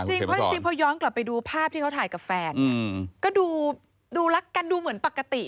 เพราะจริงพอย้อนกลับไปดูภาพที่เขาถ่ายกับแฟนก็ดูรักกันดูเหมือนปกติ